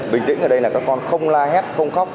bình tĩnh ở đây là các con không la hét không khóc